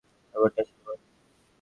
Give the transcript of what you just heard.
ব্যাপারটা আসলেই ভয়ানক।